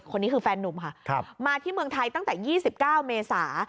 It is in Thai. คนนี้คือแฟนหนุ่มค่ะครับมาที่เมืองไทยตั้งแต่ยี่สิบเก้าเมษา